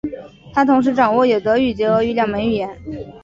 他同时掌握有德语及俄语两门语言。